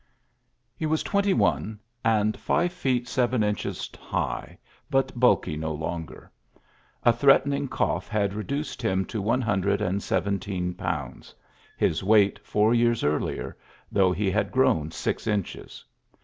He was twenty one, and five fe^^ seven inches Mgh, bnt bulky no longer>^ A threatening cough had reduced hii^ to one hundred and seventeen pounds, — his weight four years earlier, though he had grown six inches.